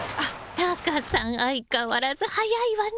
タカさん相変わらず早いわね！